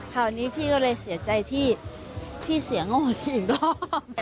คราวนี้พี่ก็เลยเสียใจที่พี่เสียงออกมาอีกรอบ